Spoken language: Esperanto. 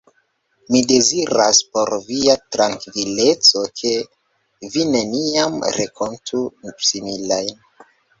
Mi deziras, por via trankvileco, ke vi neniam renkontu similajn.